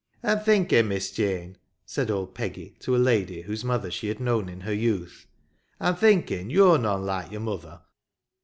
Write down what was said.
" I'm thinking. Miss Jane," said old Peggy to a lady whose mother she had known in her youth, —" I'm thinking yo're none like yo're mother."